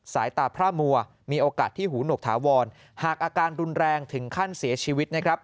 สายตาพระมัวมีโอกาสที่หูหนกถาวรหากอาการรุนแรงถึงขั้นเสียชีวิตนะครับ